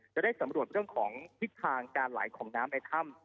จะได้สำรวจเรื่องของทิศทางการไหลของน้ำในถ้ำ